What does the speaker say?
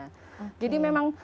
lagi udara bersihnya jadi memang